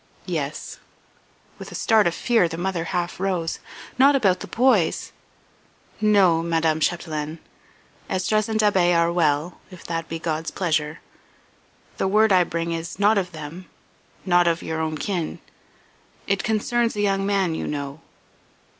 "Yes." With a start of fear the mother half rose. "Not about the boys?" "No, Madame Chapdelaine. Esdras and Da'Be are well, if that be God's pleasure. The word I bring is not of them not of your own kin. It concerns a young man you know."